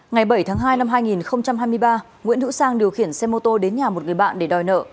ngày bảy tháng hai năm hai nghìn hai mươi ba nguyễn hữu sang điều khiển xe mô tô đến nhà một người bạn để đòi nợ